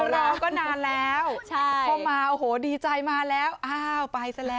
คือเราก็นานแล้วเขามาโหดีใจมาแล้วอ้าวไปซะแล้ว